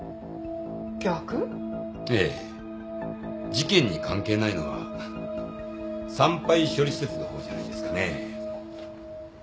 えぇ事件に関係ないのは産廃処理施設のほうじゃないですかね？